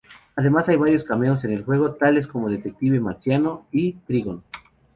Además hay varios "cameos" en el juego, tales como el Detective Marciano o Trigon.